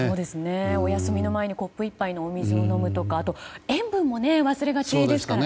お休みの前にコップ１杯のお水を飲むとかあとは塩分も忘れがちですからね。